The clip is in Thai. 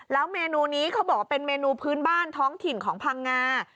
แล้วเมนูนี้เขาบอกว่าเป็นเมนูพื้นบ้านท้องถิ่นของพังงา